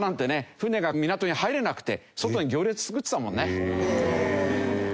船が港に入れなくて外に行列作ってたもんね。